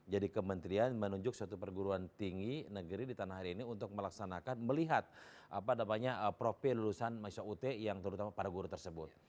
jadi kementerian menunjuk satu perguruan tinggi negeri di tanah hari ini untuk melaksanakan melihat profil lulusan mahasiswa ut yang terutama para guru tersebut